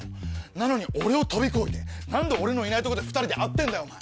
なのに俺を飛び越えて何で俺のいないとこで２人で会ってんだよお前。